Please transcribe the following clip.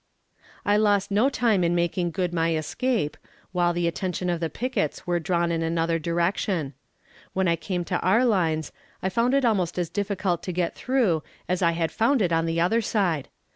I lost no time in making good my escape, while the attention of the pickets were drawn in another direction. When I came to our lines, I found it almost as difficult to get through as I had found it on the other side.